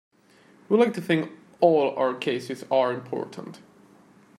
We like to think all our cases are important.